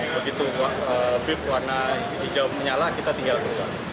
begitu bip warna hijau menyala kita tinggal berubah